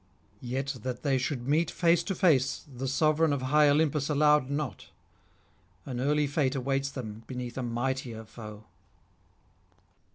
Yet that they should meet face to face the sovereign of high Olympus allowed not; an early fate awaits them beneath a mightier foe.